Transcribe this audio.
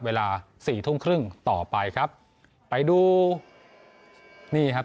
เวลาสี่ทุ่มครึ่งต่อไปครับไปดูนี่ครับ